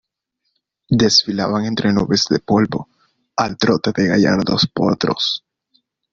desfilaban entre nubes de polvo, al trote de gallardos potros